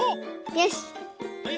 よし！